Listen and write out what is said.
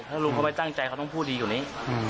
ถ้าลุงเขาไม่ตั้งใจเขาต้องพูดดีกว่านี้